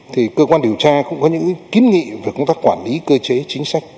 thì cơ quan điều tra cũng có những kiến nghị về công tác quản lý cơ chế chính sách